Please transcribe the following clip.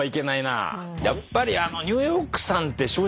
やっぱり。